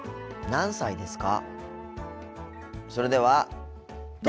何歳ですか？